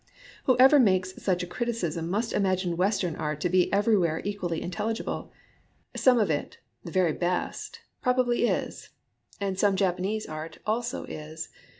Whoever makes such a criticism must imagine Western art to be ABOUT FACES IN JAPANESE ART 105 everywhere equally intelligible. Some of it — the very best — probably is; and some of Japanese art also is.